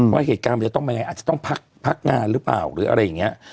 ว่าเหตุการณ์มันจะต้องยังไงอาจจะต้องพักงานหรือเปล่าหรืออะไรอย่างนี้